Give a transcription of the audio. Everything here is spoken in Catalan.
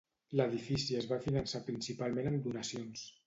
L'edifici es va finançar principalment amb donacions.